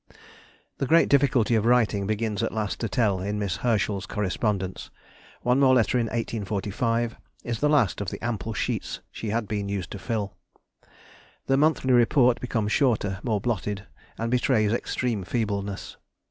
The great difficulty of writing begins at last to tell in Miss Herschel's correspondence. One more letter in 1845, is the last of the ample sheets she had been used to fill. The monthly report becomes shorter, more blotted, and betrays extreme feebleness.